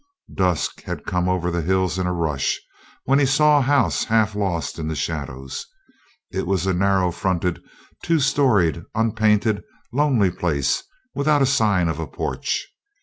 Dusk had come over the hills in a rush, when he saw a house half lost in the shadows. It was a narrow fronted, two storied, unpainted, lonely place, without sign of a porch.